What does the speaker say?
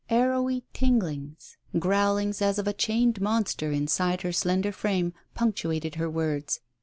Arrowy tinglings, growlings as of a chained monster inside her slender frame, punctuated her words.